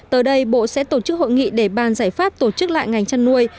tới đây bộ sẽ tổ chức hội nghị để ban giải pháp tổ chức lại ngành chăn nuôi